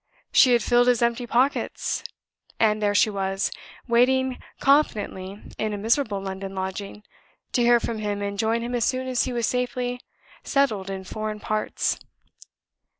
She had filled his empty pockets; and there she was, waiting confidently in a miserable London lodging, to hear from him and join him as soon as he was safely settled in foreign parts!